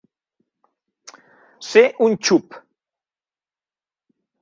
Ser un xup.